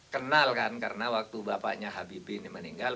kenal kan karena waktu bapaknya habibie ini meninggal